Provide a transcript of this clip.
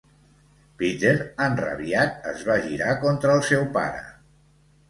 Peter, enrabiat, es va girar contra el seu pare.